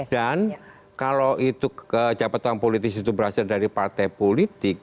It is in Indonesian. dan kalau itu ke jabatan politis itu berasal dari partai politik